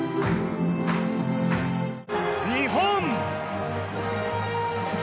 日本！